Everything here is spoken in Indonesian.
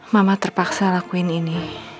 mama terpaksa lakuin ini